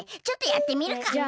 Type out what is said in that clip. ちょっとやってみるか。